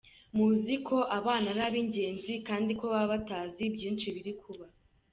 Muzi uko abana ari abaziranenge kandi baba batazi byinshi biri kuba.